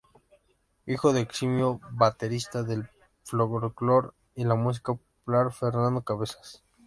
Hijo de eximio baterista del folclore y la música popular Fernando Cabezas.